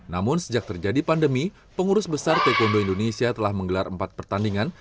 namun sejak terjadi pandemi pengurus besar taekwondo indonesia telah menggelar empat pertandingan